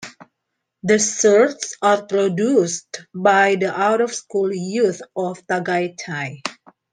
The shirts are produced by the out-of-school youth of Tagaytay.